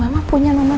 atau punya ekor ikan